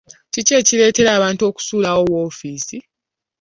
Kiki ekireetera abantu okusuulawo woofiisi?